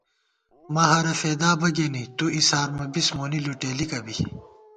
مَہَرہ فېدا بہ گېنی تُو اِسارمہ بِس مونی لُٹېلِکہ بی